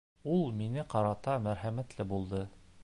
Ул миңә ҡарата мәрхәмәтле булды.